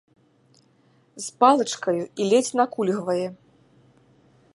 З палачкаю і ледзь накульгвае.